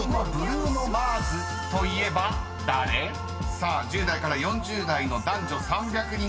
［さあ１０代から４０代の男女３００人アンケート］